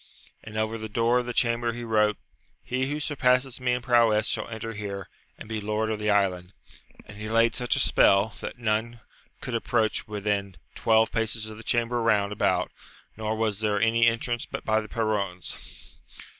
And over the door of the chamber he wrote : He who surpasses me in prowess shall enter here, and be lord of the island. And he laid such a spell, that none could approach within twelve paces of the chamber round about, nor was there any entrance but by the perrons.